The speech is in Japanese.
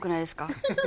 ハハハハ！